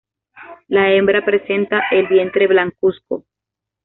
La hembra presenta el vientre blancuzco.